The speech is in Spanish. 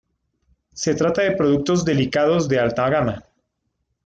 Se trata de productos delicados de alta gama.